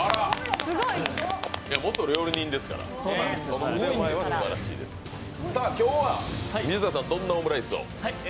元料理人ですから腕前はすばらしいですさあ、今日はどんなオムライスを？